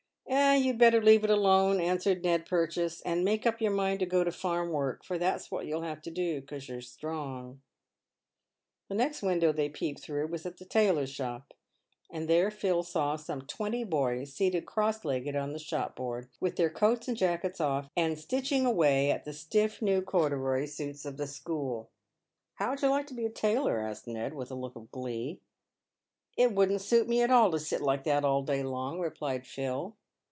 " You'd better leave it alone," answered Ned Purchase, " and make up your mind to go to farm work, for that's what you'll have to do, 'cause you're strong." The next window they peeped through was at the tailor's shop, and there Phil saw some twenty boys seated cross legged on the shop board, with their coats and jackets off, and stitching away at the stiff, new corduroy suits of the school. " How would you like to be a tailor ?" asked ISTed, with a look of glee. " It wouldn't suit me at all to sit like that all day long," replied Phil.